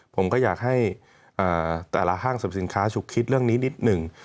ผมก็อยากให้แต่ละห้างสรรพสินค้าฉุกคิดเรื่องนี้นิดหนึ่ง